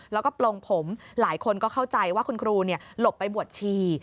แล้วก็ปลงผมหลายคนก็เข้าใจว่าคุณครูหลบไปบวชชี